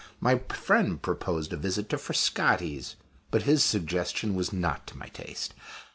My friend proposed a visit to Frascati's; but his suggestion was not to my taste.